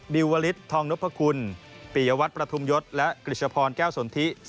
ิวลิศทองนพคุณปียวัตรประทุมยศและกริชพรแก้วสนทิ